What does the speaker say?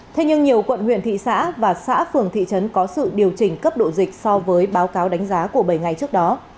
thế nhưng nhiều quận huyện thị xã và xã phường thị trấn có sự điều chỉnh cấp độ dịch so với báo cáo đánh giá của bảy ngày trước đó